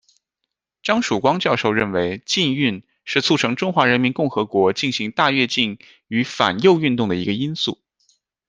张曙光教授认为禁运是促成中华人民共和国进行大跃进与反右运动的一个因素。